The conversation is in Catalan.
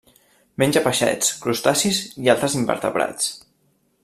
Menja peixets, crustacis i altres invertebrats.